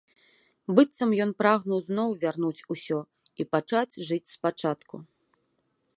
Быццам ён прагнуў зноў вярнуць усё і пачаць жыць спачатку.